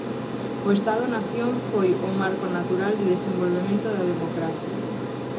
O Estado nación foi o marco natural de desenvolvemento da democracia.